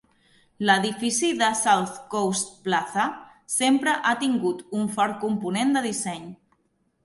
L'edifici del South Coast Plaza sempre ha tingut un fort component de disseny.